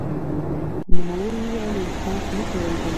نوموړي وویل انصاف نه کول ظلم دی